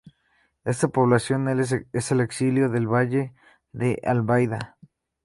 Esta población es el exilio del valle de albaida.